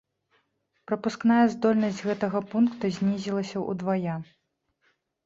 Прапускная здольнасць гэтага пункта знізілася ўдвая.